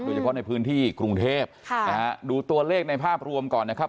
โดยเฉพาะในพื้นที่กรุงเทพค่ะนะฮะดูตัวเลขในภาพรวมก่อนนะครับ